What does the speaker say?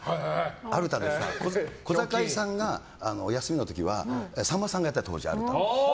アルタで小堺さんが休んだ時はさんまさんがやったの当時アルタを。